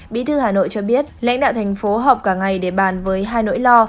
bí thư hà nội cho biết lãnh đạo thành phố họp cả ngày để bàn với hai nỗi lo